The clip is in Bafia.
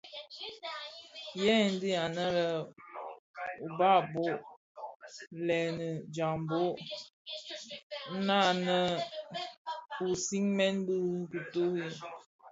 Hei dhi ňannë uba bo: lènii djambhog ňanèn u sigmèn di kituri,